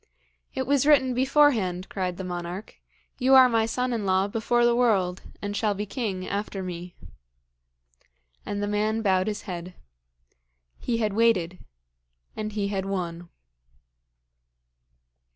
'It was written beforehand,' cried the monarch. 'You are my son in law before the world, and shall be king after me.' And the man bowed his head. He had waited; and he had won.